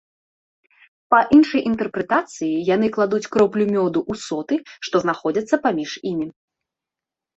Па іншай інтэрпрэтацыі яны кладуць кроплю мёду ў соты, што знаходзяцца паміж імі.